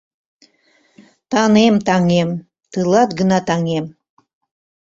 Танем, таҥем, тылат гына таҥем